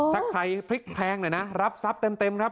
ถ้าใครพลิกแพงหน่อยนะรับทรัพย์เต็มครับ